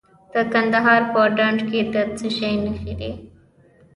د کندهار په ډنډ کې د څه شي نښې دي؟